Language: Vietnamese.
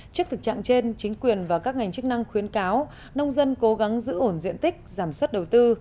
trước thực trạng trên chính quyền và các ngành chức năng khuyến cáo nông dân cố gắng giữ ổn diện tích giảm suất đầu tư